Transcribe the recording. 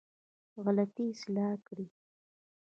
غلطي اصلاح کړې.